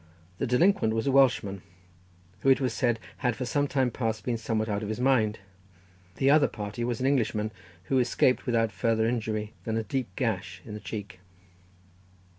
The delinquent was a Welshman, who it was said had for some time past been somewhat out of his mind; the other party was an Englishman, who escaped without further injury than a deep gash in the cheek.